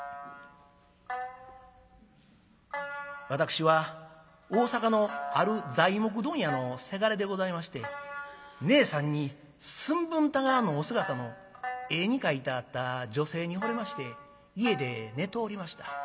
「私は大阪のある材木問屋のせがれでございましてねえさんに寸分たがわぬお姿の絵に描いてあった女性に惚れまして家で寝ておりました。